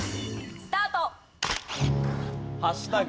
スタート！